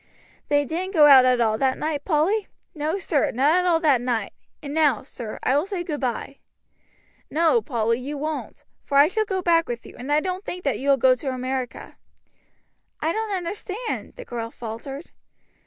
"Then he didn't go out at all that night, Polly?" "No, sir, not at all that night; and now, sir, I will say goodby." "No, Polly, you won't, for I shall go back with you, and I don't think that you will go to America." "I don't understand," the girl faltered.